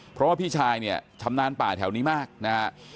เพราะว่าพี่ชายเนี่ยชำนาญป่าแถวนี้มากนะฮะ